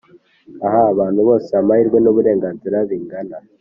aha abantu bose amahirwe n’uburenganzira bingana